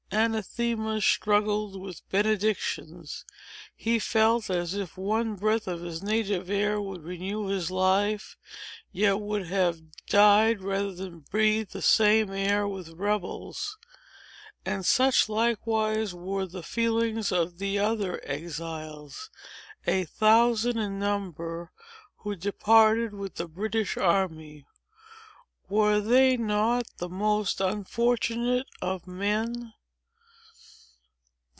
Anathemas struggled with benedictions. He felt as if one breath of his native air would renew his life, yet would have died, rather than breathe the same air with rebels. And such, likewise, were the feelings of the other exiles, a thousand in number, who departed with the British army. Were they not the most unfortunate of men?